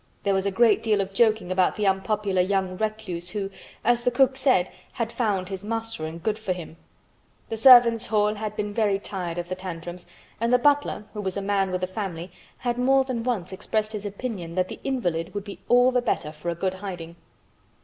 There was a great deal of joking about the unpopular young recluse who, as the cook said, "had found his master, and good for him." The servants' hall had been very tired of the tantrums, and the butler, who was a man with a family, had more than once expressed his opinion that the invalid would be all the better "for a good hiding."